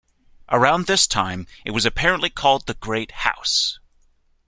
Around this time it was apparently called the Great House.